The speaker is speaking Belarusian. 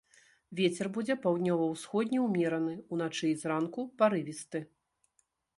Вецер будзе паўднёва-ўсходні ўмераны, уначы і зранку парывісты.